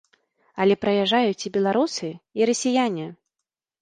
Але прыязджаюць і беларусы, і расіяне.